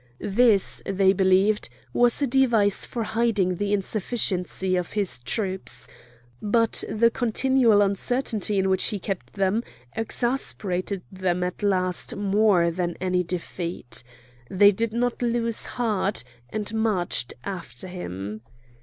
This, they believed, was a device for hiding the insufficiency of his troops. But the continual uncertainty in which he kept them exasperated them at last more than any defeat. They did not lose heart, and marched after him.